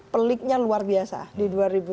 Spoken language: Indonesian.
peliknya luar biasa di dua ribu sembilan belas